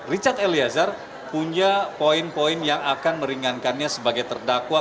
richard eliezer punya poin poin yang akan meringankannya sebagai terdakwa